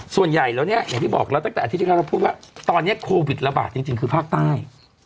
ส่วนใหญ่แล้วเนี่ยอย่างที่บอกแล้วตั้งแต่อาทิตย์แล้วเราพูดว่าตอนนี้โควิดระบาดจริงคือภาคใต้